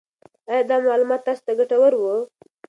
آیا دا معلومات تاسو ته ګټور وو؟